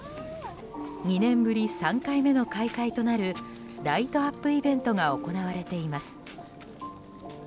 ２年ぶり３回目の開催となるライトアップイベントが行われています。